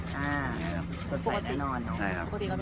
สุดใสตลอดเนี่ย